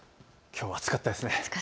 きょうは暑かったですね。